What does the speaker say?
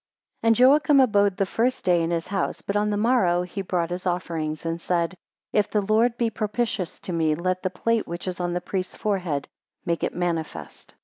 AND Joachim abode the first day in his house, but on the morrow he brought his offerings, and said, 2 If the Lord be propitious to me let the plate which is on the priests forehead make it manifest.